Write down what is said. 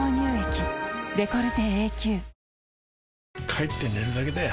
帰って寝るだけだよ